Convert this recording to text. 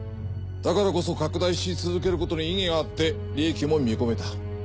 だからこそ拡大し続けることに意義があって利益も見込めた。